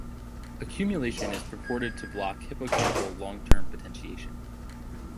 Accumulation is purported to block hippocampal long-term potentiation.